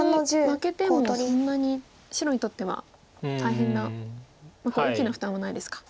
負けてもそんなに白にとっては大変な大きな負担はないですか。